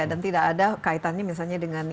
dan tidak ada kaitannya misalnya dengan